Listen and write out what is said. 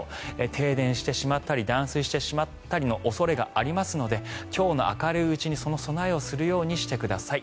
停電してしまったり断水してしまったりの恐れがありますので今日の明るいうちに、その備えをするようにしてください。